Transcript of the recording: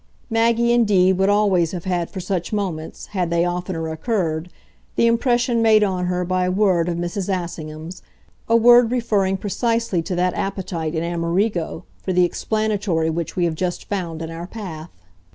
Maggie indeed would always have had for such moments, had they oftener occurred, the impression made on her by a word of Mrs. Assingham's, a word referring precisely to that appetite in Amerigo for the explanatory which we have just found in our path.